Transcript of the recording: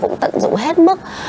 cũng tận dụng hết mức